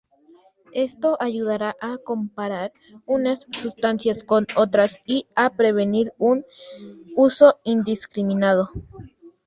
Esto ayudara a comparar unas sustancias con otras y a prevenir un uso indiscriminado.